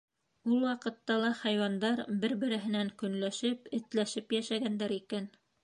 Ул ваҡытта ла хайуандар бер-береһенән көнләшеп, этләшеп йәшәгәндәр икән.